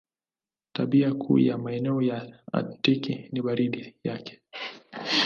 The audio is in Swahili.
Tabia kuu ya maeneo ya Aktiki ni baridi yake.